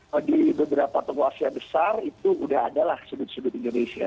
dan di beberapa tengah asia besar itu udah ada lah sebut sebut indonesia